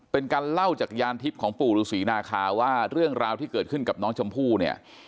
เป็นการเล่าจากยานทิพย์ของปู่ฤษีนาคาว่าเรื่องราวที่เกิดขึ้นกับน้องชมพู่เนี่ย